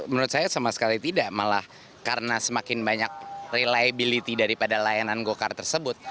menurut saya sama sekali tidak malah karena semakin banyak reliability daripada layanan go kart tersebut